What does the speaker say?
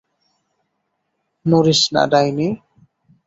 নড়িস না, ডাইনি!